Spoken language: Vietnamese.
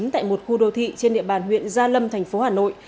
tại một khu đô thị trên địa bàn huyện gia lâm thành phố hà nội